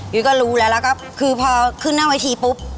ยุ้ยก็รู้แล้วแล้วก็คือพอขึ้นหน้าเวทีปุ๊บ